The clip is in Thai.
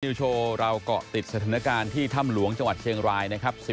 โชว์เราเกาะติดสถานการณ์ที่ถ้ำหลวงจังหวัดเชียงรายนะครับ